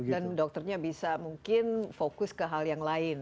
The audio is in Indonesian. dan dokternya bisa mungkin fokus ke hal yang lain